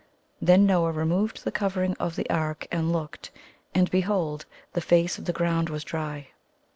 Then Noah removed the covering of the ark and looked, and behold, the face of the ground was dry.